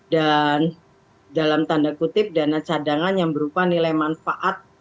dan dalam tanda kutip dana cadangan yang berupa nilai manfaat